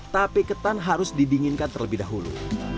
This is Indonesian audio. tape ketan harus didinginkan terlebih dahulu